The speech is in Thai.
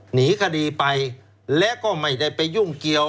หนีคดีไปและก็ไม่ได้ไปยุ่งเกี่ยว